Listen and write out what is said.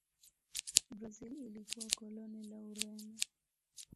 Brazil ilikuwa koloni la Ureno.